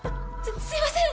すすいません！